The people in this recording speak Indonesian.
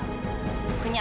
kau benar benar benar